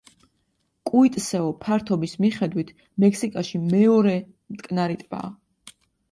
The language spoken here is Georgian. კუიტსეო ფართობის მიხედვით მექსიკაში მეორე მტკნარი ტბაა.